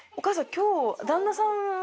今日旦那さんは？